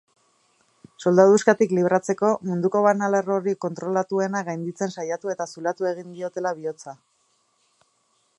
Soldaduskatik libratzeko, munduko banalerrorik kontrolatuena gainditzen saiatu eta zulatu egin diotela bihotza.